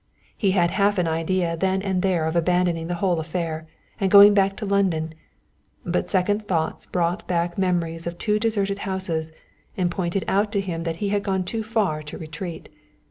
He had half an idea then and there of abandoning the whole affair, and going back to London, but second thoughts brought back memories of two deserted houses and pointed out to him that he had gone too far to retreat.